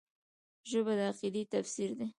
ژبه د عقیدې تفسیر کوي